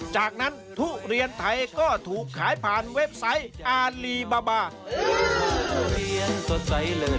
จากนั้นทุเรียนไทยก็ถูกขายผ่านเว็บไซต์อารีบาบา